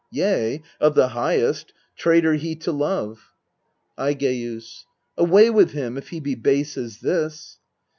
yea, of the highest traitor he to love ! Aigeus. Away with him, if he be base as this